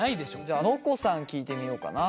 じゃあのこさん聞いてみようかな。